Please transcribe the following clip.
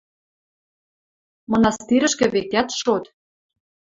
Мынастирӹшкӹ, векӓт, шот.